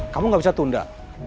kamu gak bisa tunda